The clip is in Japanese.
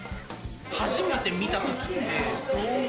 初めて見たときって、どう思